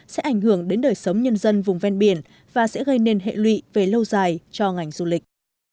sẽ ảnh hưởng đến đời sống nhân dân vùng ven biển và sẽ gây nên hệ lụy về lâu dài cho ngành du lịch